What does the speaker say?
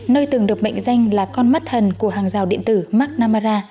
nơi từng được mệnh danh là con mắt thần của hàng rào điện tử marknamara